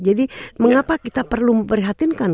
jadi mengapa kita perlu memperhatinkan